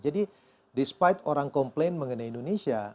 jadi walaupun orang komplain mengenai indonesia